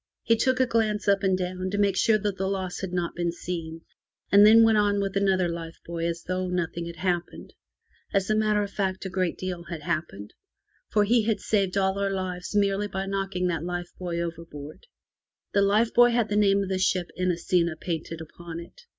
He took a glance up and down to make sure that the loss had not been seen, and then went on with another life buoy as though nothing had happened. As a matter of fact, a great deal had happened, for he had saved all our lives merely by knocking that life buoy over board. The life buoy had the name of the ship Inesita painted upon it.